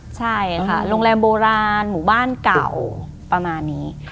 ใช่ค่ะโรงแรมโบราณหมู่บ้านเก่าประมาณนี้